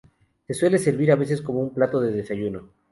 Se suele servir a veces como un plato de desayuno.